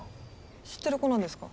知ってる子なんですか？